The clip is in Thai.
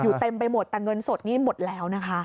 เต็มไปหมดแต่เงินสดนี่หมดแล้วนะคะ